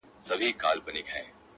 په شکونو کښ پراته وي ځنې خلق